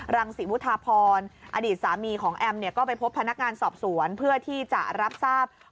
ลังสีวุธพร